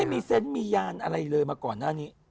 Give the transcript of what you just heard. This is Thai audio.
ไม่มีเซนต์มียานอะไรเลยมาก่อนหน้านี้